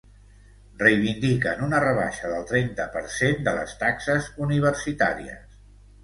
Reivindiquen una rebaixa del trenta per cent de les taxes universitàries.